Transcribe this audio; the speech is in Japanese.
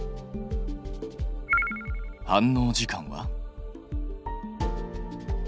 反応時間は？